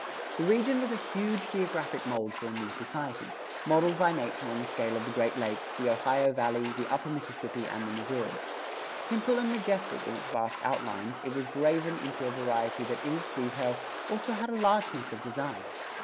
The region was a huge geographic mold for a new society, modeled by nature on the scale of the Great Lakes, the Ohio Valley, the upper Mississippi and the Missouri. Simple and majestic in its vast outlines it was graven into a variety that in its detail also had a largeness of design.